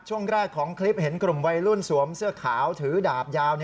ช่วงแรกของคลิปเห็นกลุ่มวัยรุ่นสวมเสื้อขาวถือดาบยาว